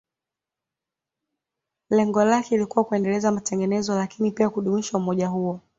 Lengo lake lilikuwa kuendeleza matengenezo lakini pia kudumisha umoja huo